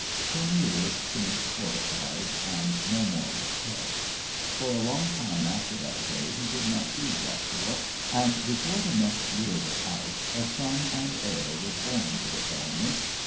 Cornelius seemed fortified, and no more was said. For a long time after that day he did not see Joshua, and before the next year was out a son and heir was born to the Fellmers.